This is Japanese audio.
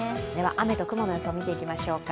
雨と雲の予想見ていきましょうか。